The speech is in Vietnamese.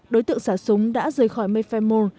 đối tượng xả súng đã rời khỏi mayfair mall